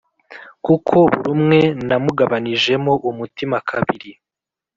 kuko burumwe namugabanijemo umutima kabiri"